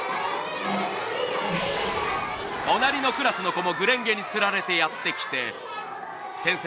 隣のクラスの子も『紅蓮華』に釣られてやって来て先生